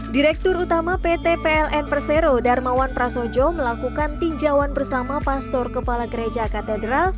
direktur utama pt pln persero darmawan prasojo melakukan tinjauan bersama pastor kepala gereja katedral